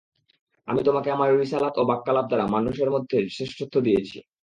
আমি তোমাকে আমার রিসালাত ও বাক্যালাপ দ্বারা মানুষের মধ্যে শ্রেষ্ঠত্ব দিয়েছি।